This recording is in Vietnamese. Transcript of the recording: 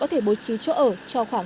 có thể bố trí chỗ ở cho khoảng